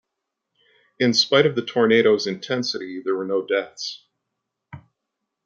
In spite of the tornado's intensity, there were no deaths.